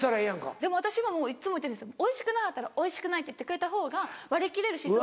でも私はいつも言ってるんですおいしくなかったら「おいしくない」って言ってくれたほうが割り切れるし。